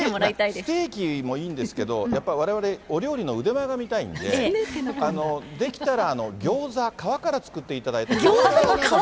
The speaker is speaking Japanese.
ステーキもいいんですけど、やっぱりわれわれ、お料理の腕前が見たいんで、できたらギョーザ、皮から作っていただいて。